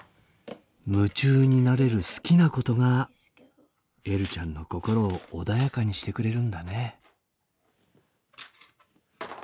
夢中になれる好きなことがえるちゃんの心を穏やかにしてくれるんだね。